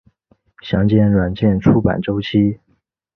详见软件出版周期。